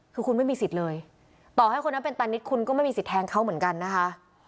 คือคุณไม่มีสิทธิ์เลยต่อให้คนนั้นเป็นตานิดคุณก็ไม่มีสิทธิแทงเขาเหมือนกันนะคะ